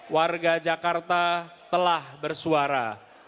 warga jakarta telah bersuara